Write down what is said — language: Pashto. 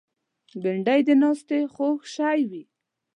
بېنډۍ د ناستې خوږ شی وي